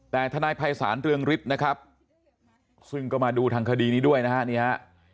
แต่ทนายภัยศาลเรืองฤทธิ์นะครับซึ่งก็มาดูทางคดีนี้ด้วยนะฮะนี่ฮะ